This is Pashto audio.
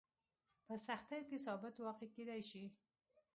په سختیو کې ثابت واقع کېدای شي.